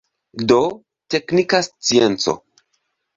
Do, teknika scienco.